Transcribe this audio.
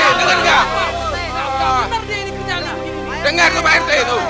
tuh bener kok pak rt dengar itu pak rt